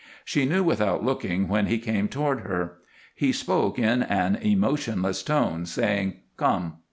She knew without looking when he came toward her. He spoke in an emotionless tone, saying, "Come!"